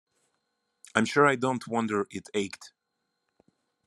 I'm sure I don't wonder it ached.